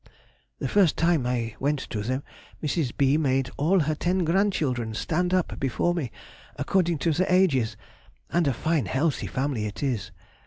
The first time I went to them, Mrs. B. made all her ten grandchildren stand up before me according to their ages, and a fine healthy family it is.